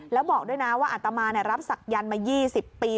แล้วบอกด้วยนะว่าอัตมารับศักยันต์มา๒๐ปี